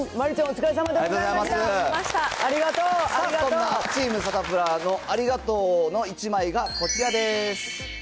そんなチームサタプラのありがとうの１枚がこちらです。